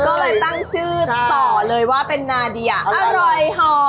ก็เลยตั้งชื่อต่อเลยว่าเป็นนาเดียอร่อยห่อ